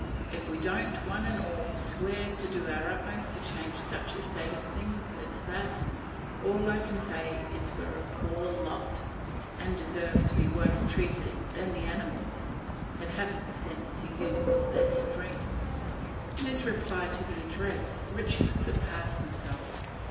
If we don't one and all swear to do our utmost to change such a state of things as that, all I can say is we're a poor lot, and deserve to be worse treated than the animals, that haven't the sense to use their strength!' In his reply to the address Richard surpassed himself.